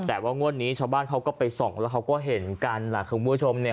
แต่ว่างวดนี้ชาวบ้านเขาก็ไปส่องแล้วเขาก็เห็นกันล่ะคุณผู้ชมเนี่ย